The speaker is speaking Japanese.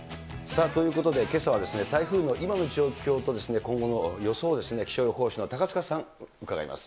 さあ、ということで、けさは台風の今の状況と、今後の予想を気象予報士の高塚さん、伺います。